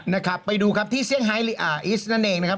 นะครับไปดูครับที่เซี่ยงไฮอีสนั่นเองนะครับ